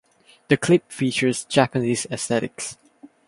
The clip features Japanese aesthetics.